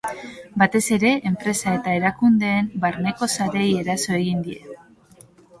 Batez ere enpresa eta erakundeen barneko sareei eraso egin die.